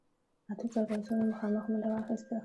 اتو زرو آسونو مخامخ منډه واخيسته.